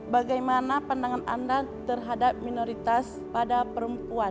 bagaimana pandangan anda terhadap minoritas pada perempuan